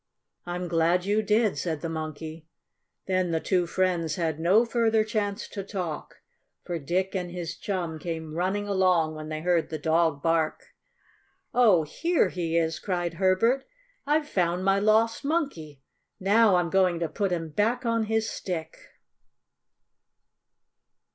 "I'm glad you did," said the Monkey. Then the two friends had no further chance to talk, for Dick and his chum came running along when they heard the dog bark. "Oh, here he is!" cried Herbert. "I've found my lost Monkey. Now I'm going to put him back on his stick!"